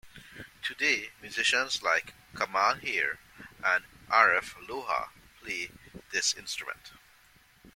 Today, musicians like Kamal Heer and Arif Lohar play this instrument.